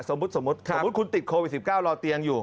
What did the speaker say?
สมมุติสมมุติคุณติดโควิด๑๙รอเตียงอยู่